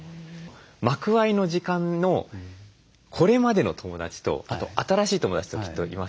幕間の時間のこれまでの友だちと新しい友だちときっといますよね。